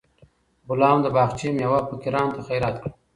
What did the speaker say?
غلام د باغچې میوه فقیرانو ته خیرات کړه.